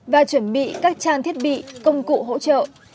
và chuẩn bị các trang thiết bị công cụ hỗ trợ